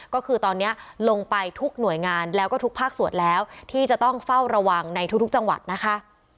ก็คือตอนนี้ลงไปทุกหน่วยงานแล้วก็ทุกภาคส่วนแล้วที่จะต้องเฝ้าระวังในทุกจังหวัดนะคะ